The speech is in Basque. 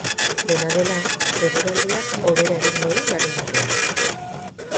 Dena dela, eguraldiak hobera egingo du larunbatean.